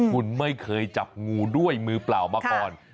คุณไม่เคยจับงูด้วยมือเปล่ามาก่อน